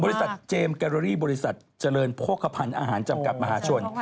เจมส์แกโรรี่บริษัทเจริญโภคภัณฑ์อาหารจำกัดมหาชน